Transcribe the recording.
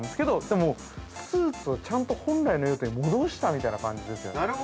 でも、スーツを、ちゃんと本来の用途に戻したみたいな感じですね。